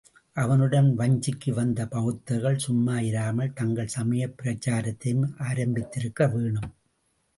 அவனுடன் வஞ்சிக்கு வந்த பௌத்தர்கள் சும்மா இராமல் தங்கள் சமயப் பிரசாரத்தையும் ஆரம்பித்திருக்க வேணும்.